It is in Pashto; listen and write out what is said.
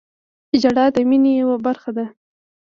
• ژړا د مینې یوه برخه ده.